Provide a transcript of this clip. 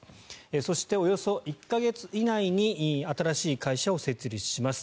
そして、およそ１か月以内に新しい会社を設立します。